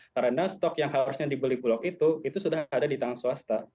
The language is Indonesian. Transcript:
karena stok yang harusnya dibeli bulog itu itu sudah ada di tangan swasta